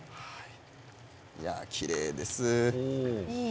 きれいです。